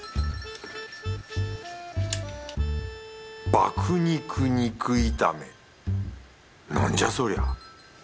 爆肉肉いためなんじゃそりゃ？